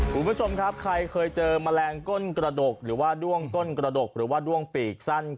คุณผู้ชมครับใครเคยเจอแมลงก้นกระดกหรือว่าด้วงก้นกระดกหรือว่าด้วงปีกสั้น